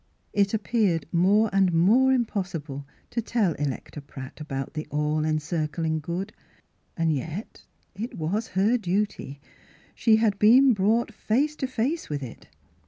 It appeared more and more impossible to tell Electa Pratt about the All encircling Good. And yet it was her duty. She had been brought face to face with it.